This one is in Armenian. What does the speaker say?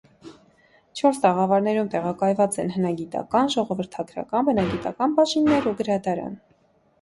Չորս տաղավարներում տեղակայված են հնագիտական, ժողովրդագրական, բնագիտական բաժիններ ու գրադարան։